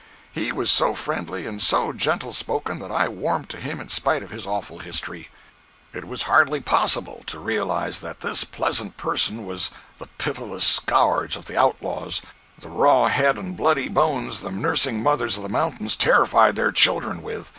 He was so friendly and so gentle spoken that I warmed to him in spite of his awful history. It was hardly possible to realize that this pleasant person was the pitiless scourge of the outlaws, the raw head and bloody bones the nursing mothers of the mountains terrified their children with.